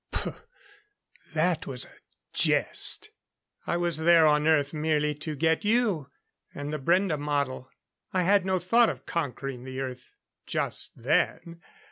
Pouf! That was a jest. I was there on Earth merely to get you, and the Brende model. I had no thought of conquering the Earth just then.